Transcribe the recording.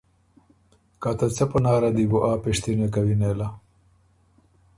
که ته څۀ پناره دی بو آ پِشتِنه کوی نېله،